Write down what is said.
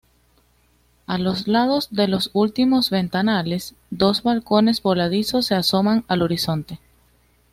A los lados de los últimos ventanales, dos balcones voladizos se asoman al horizonte.